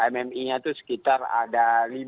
mmi nya itu sekitar ada